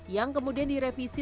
yang kemudian direvisi